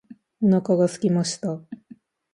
お腹がすきました。